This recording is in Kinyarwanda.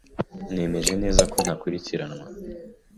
Nemeje neza ko ntakurikiranwa.